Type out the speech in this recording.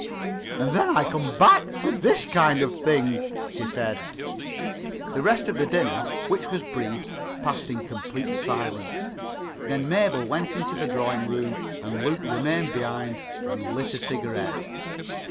"And then I come back to this kind of thing," she said. The rest of the dinner, which was brief, passed in complete silence. Then Mabel went into the drawing room, and Luke remained behind and lit a cigarette.